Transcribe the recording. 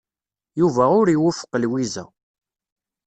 Yuba ur iwufeq Lwiza.